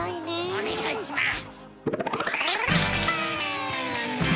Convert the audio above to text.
お願いします。